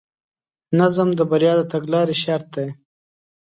نظم د بریا د تګلارې شرط دی.